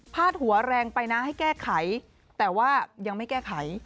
หัวแรงไปนะให้แก้ไขแต่ว่ายังไม่แก้ไข